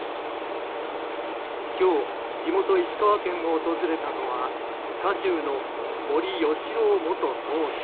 今日、地元・石川県を訪れたのは渦中の森喜朗元総理。